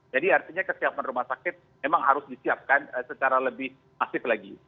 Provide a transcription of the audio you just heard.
jadi artinya kesiapan rumah sakit memang harus disiapkan secara lebih aktif lagi